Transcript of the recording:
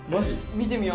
見てみよ・